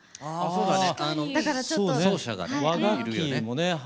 そうだね。